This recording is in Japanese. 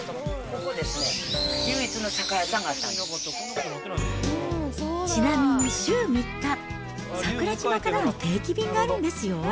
ここですね、ちなみに週３日、桜島からの定期便があるんですよ。